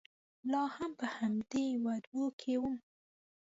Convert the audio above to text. لا هم په همدې يوه دوه کې ووم.